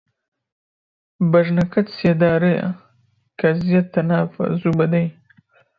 بەژنەکەت سێدارەیە، کەزیەت تەنافە زووبە دەی